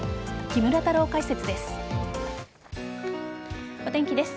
木村太郎解説です。